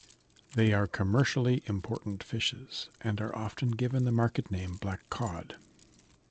They are commercially important fishes, and are often given the market name black cod.